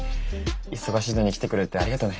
忙しいのに来てくれてありがとね。